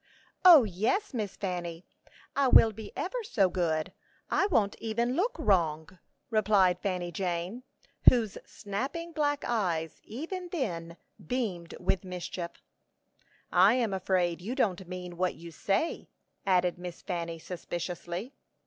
"O, yes, Miss Fanny; I will be ever so good; I won't even look wrong," replied Fanny Jane, whose snapping black eyes even then beamed with mischief. "I am afraid you don't mean what you say," added Miss Fanny, suspiciously.